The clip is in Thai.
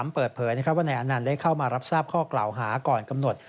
เปิดเผยว่านายอนันต์ได้เข้ามารับทราบข้อกล่าวหาก่อนกำหนด